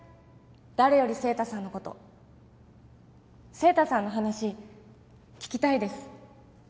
誰より晴太さんのこと晴太さんの話聞きたいです